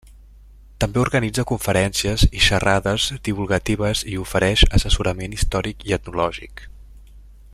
També organitza conferències i xerrades divulgatives i ofereix assessorament històric i etnològic.